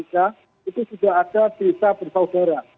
itu sudah ada desa bersaudara